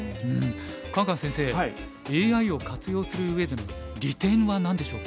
カンカン先生ＡＩを活用する上での利点は何でしょうか。